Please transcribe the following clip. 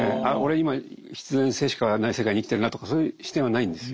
今必然性しかない世界に生きてるなとかそういう視点はないんですよ。